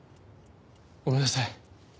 ごめんなさい。